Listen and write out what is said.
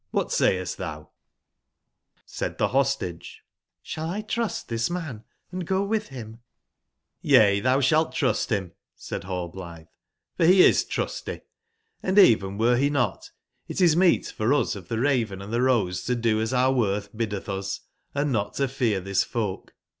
OThat sayest thou ?" jj7 Said the Hostage : ''Shall I trust 168 this man &go with him?'' J^yca, thou sbalt trust bim/'said nallbUtbc/* for be is trusty. End even were be not, it is meet for us of tbe Raven and tbe Rose to do as our wortb biddetb us, & not to fear tbis folk.